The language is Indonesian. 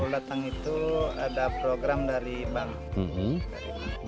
datang itu ada program dari bank